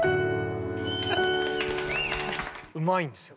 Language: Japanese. うまいんですよ。